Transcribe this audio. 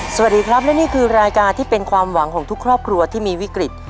สวัสดีครับและนี่คือรายการที่เป็นความหวังของทุกครอบครัวที่มีวิกฤต